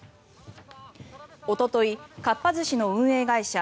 おととい、かっぱ寿司の運営会社